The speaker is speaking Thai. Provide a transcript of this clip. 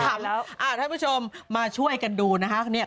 ยังไม่ได้ขำท่านผู้ชมมาช่วยกันดูนะคะ